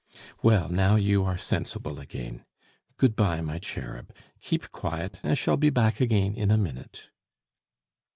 "Well, now you are sensible again.... Good bye, my cherub; keep quiet, I shall be back again in a minute."